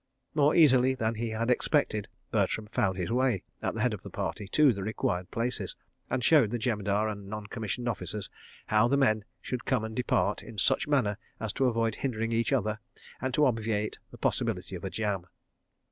... More easily than he had expected, Bertram found his way, at the head of the party, to the required places, and showed the Jemadar and Non commissioned Officers how the men should come and depart, in such manner as to avoid hindering each other and to obviate the possibility of a jam.